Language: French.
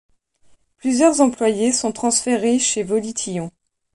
Plusieurs employés sont transférés chez Volition.